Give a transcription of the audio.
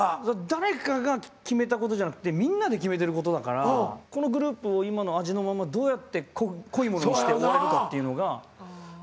誰かが決めたことじゃなくてみんなで決めてることだからこのグループを今の味のままどうやって濃いものにして終われるかっていうのが一つ。